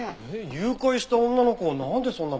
誘拐した女の子をなんでそんな場所に？